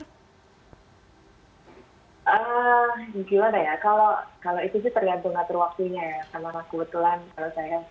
ya mungkin lah ya kalau itu sih tergantung atur waktunya ya sama anakku telan kalau saya